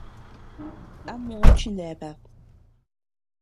¿A muʼu chineabed?